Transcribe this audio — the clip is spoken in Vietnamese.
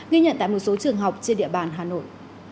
ghi nhận tại một số trường học trên địa bàn hà nội